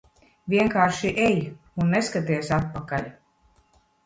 Vienkārši ej un neskaties atpakaļ.